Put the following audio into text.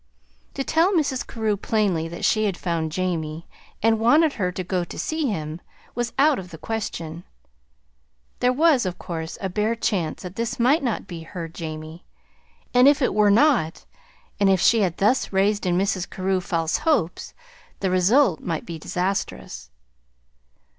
To tell Mrs. Carew plainly that she had found Jamie, and wanted her to go to see him, was out of the question. There was, of course, a bare chance that this might not be her Jamie; and if it were not, and if she had thus raised in Mrs. Carew false hopes, the result might be disastrous.